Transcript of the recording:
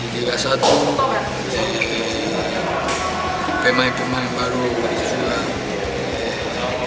di gilas satu pemain pemain baru berisulah